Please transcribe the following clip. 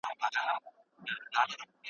پاک چاپېريال د کور فضا ښه کوي.